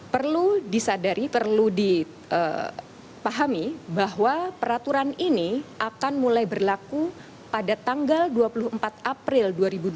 perlu disadari perlu dipahami bahwa peraturan ini akan mulai berlaku pada tanggal dua puluh empat april dua ribu dua puluh